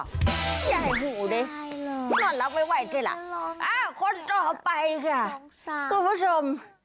พี่ย่ายหูเด็กนอนแล้วไม่ไหวคะอ้าวคนต่อไปค่ะเพื่อผู้ชม